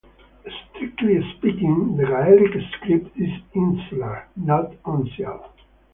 Strictly speaking, the Gaelic script is insular, not uncial.